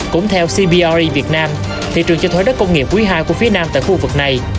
cũng theo cbry việt nam thị trường cho thuê đất công nghiệp quý ii của phía nam tại khu vực này